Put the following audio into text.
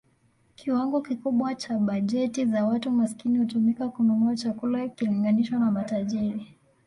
Kiwango kikubwa cha bajeti za watu maskini hutumika kununua chakula ikilinganishwa na matajiri.